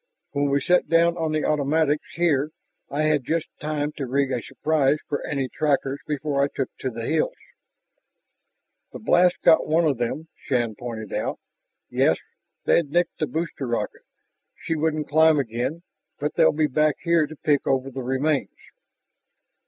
When we set down on the automatics here I had just time to rig a surprise for any trackers before I took to the hills " "The blast got one of them," Shann pointed out. "Yes, they'd nicked the booster rocket; she wouldn't climb again. But they'll be back here to pick over the remains."